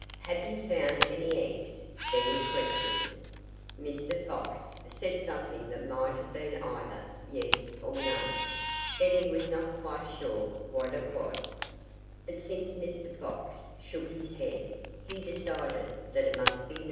"Have you found any eggs?" Benny questioned. Mr. Fox said something that might have been either "Yes" or "No." Benny was not quite sure which it was. But since Mr. Fox shook his head, he decided that it must be "No."